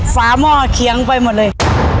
ฝาหม้อเคียงไปหมดเลย